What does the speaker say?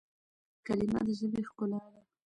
کلیمه د ژبي ښکلا ده.